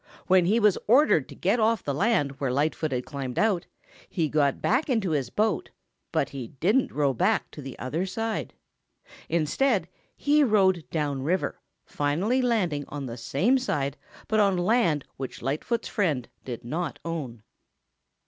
When he was ordered to get off the land where Lightfoot had climbed out, he got back into his boat, but he didn't row back to the other side. Instead, he rowed down the river, finally landing on the same side but on land which Lightfoot's friend did not own.